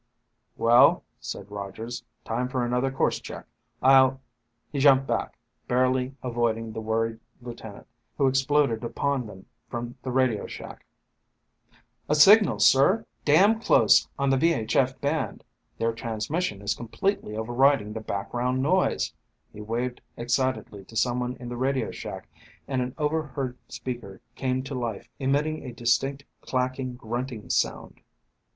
"Well," said Rogers, "time for another course check. I'll ..." He jumped back, barely avoiding the worried lieutenant who exploded upon them from the radio shack. "A signal, sir! Damn close, on the VHF band, their transmission is completely overriding the background noise." He waved excitedly to someone in the radio shack and an overhead speaker came to life emitting a distinct clacking grunting sound.